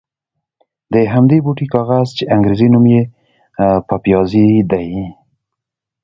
د همدې بوټي کاغذ چې انګرېزي نوم یې پپیازي دی.